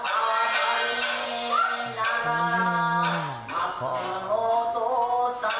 松本さん。